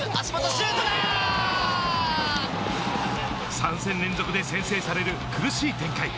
３戦連続で先制される苦しい展開。